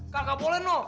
kakak boleh no